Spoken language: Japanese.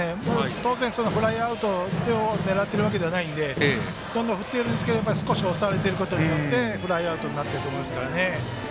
当然、フライアウトを狙っているわけではないのでどんどん振っているんですが少し押されていることによってフライアウトになってますね。